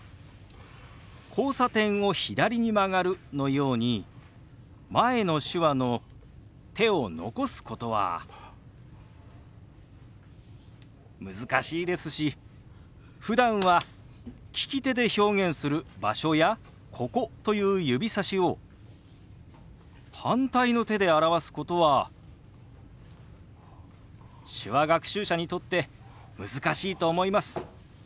「交差点を左に曲がる」のように前の手話の手を残すことは難しいですしふだんは利き手で表現する「場所」や「ここ」という指さしを反対の手で表すことは手話学習者にとって難しいと思います。